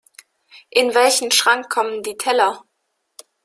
In welchen Schrank kommen die Teller?